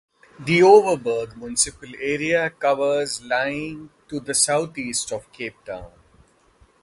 The Overberg municipal area covers lying to the south-east of Cape Town.